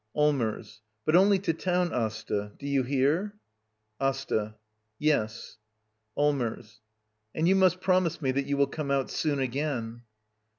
Allmers. But only to town, Asta. Do you hear? Asta. Yes. Allmers. And you must promise me that you will come out soon again.